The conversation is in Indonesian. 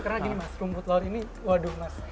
karena gini mas rumput laut ini waduh mas